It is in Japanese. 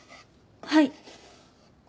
はい。